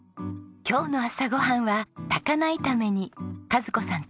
今日の朝ご飯は高菜炒めに和子さん